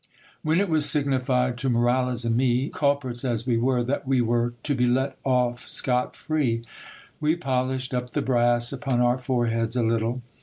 When it was signified to Moralez and me, culprits as we were, that we were to be let off scot free, we polished up the brass upon our foreheads a little.